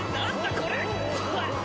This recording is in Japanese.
これ！